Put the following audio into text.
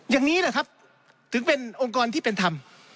อย่างนี้แหละครับถึงเป็นองค์กรที่เป็นธรรม